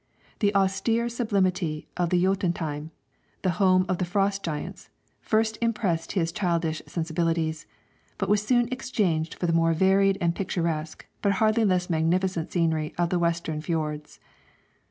The austere sublimity of the Jötunheim the home of the frost giants first impressed his childish sensibilities, but was soon exchanged for the more varied and picturesque but hardly less magnificent scenery of the western fjords.